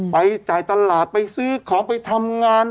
ไปจ่ายตลาดไปซื้อของไปทำงาน